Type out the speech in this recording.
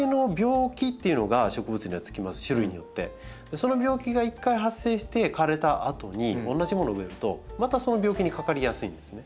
その病気が一回発生して枯れたあとに同じものを植えるとまたその病気にかかりやすいんですね。